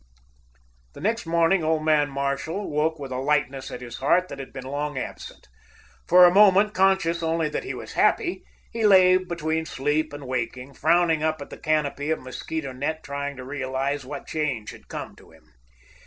The next morning, old man Marshall woke with a lightness at his heart that had been long absent. For a moment, conscious only that he was happy, he lay between sleep and waking, frowning up at his canopy of mosquito net, trying to realize what change had come to him.